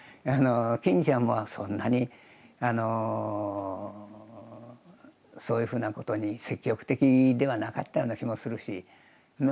金ちゃんはそんなにそういうふうなことに積極的ではなかったような気もするし。